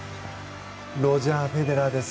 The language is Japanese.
ロジャー・フェデラーです。